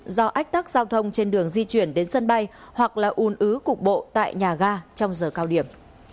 do ách tắc giao thông trên đường di chuyển đến sân bay hoặc là ùn ứ cục bộ tại nhà ga trong giờ cao điểm